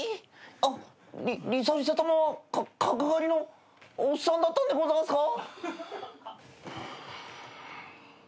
あっリリサリサたまはかっ角刈りのおっさんだったんでございますか？